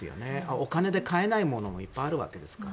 お金で買えないものもいっぱいあるわけですから。